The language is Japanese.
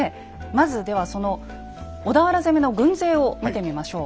まずではその小田原攻めの軍勢を見てみましょう。